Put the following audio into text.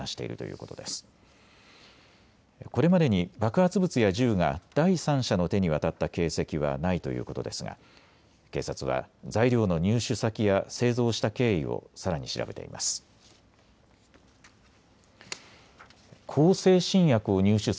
これまでに爆発物や銃が第三者の手に渡った形跡はないということですが警察は材料の入手先や製造した経緯をさらに調べています。